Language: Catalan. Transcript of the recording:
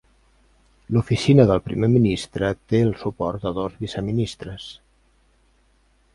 L'oficina del Primer Ministre té el suport de dos viceministres.